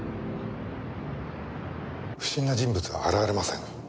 不審な人物は現れません。